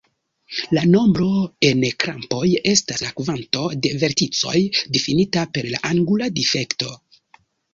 La nombro en krampoj estas la kvanto de verticoj, difinita per la angula difekto.